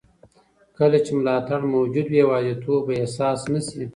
کله چې ملاتړ موجود وي، یوازیتوب به احساس نه شي.